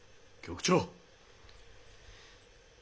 局長。